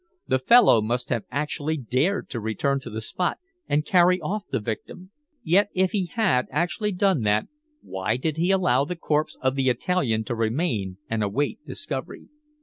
The fellow must have actually dared to return to the spot and carry off the victim. Yet if he had actually done that, why did he allow the corpse of the Italian to remain and await discovery?